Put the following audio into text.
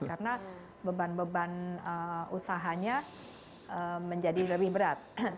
karena beban beban usahanya menjadi lebih berat